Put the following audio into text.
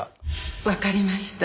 わかりました。